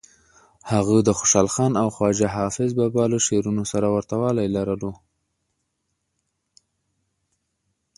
هغه د خوشحال خان او خواجه حافظ بابا له شعرونو سره ورته والی لرلو.